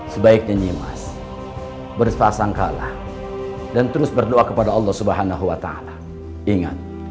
sebaiknya nyemas bersasangkalah dan terus berdoa kepada allah subhanahuwata'ala ingat